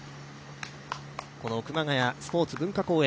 この熊谷スポーツ文化公園